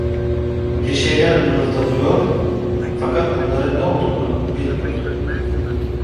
Bir şeyler mırıldanıyor, fakat bunların ne olduğunu bilmiyordum.